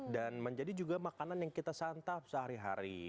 dan menjadi juga makanan yang kita santap sehari hari